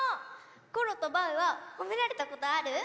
コロとバウはほめられたことある？